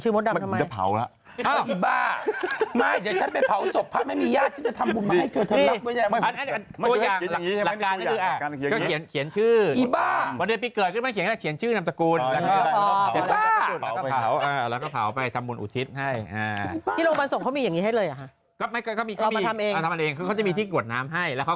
เช็คกรรมหางค์ช่วยทีแล้วกัน